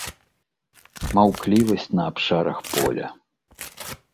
Маўклівасць на абшарах поля.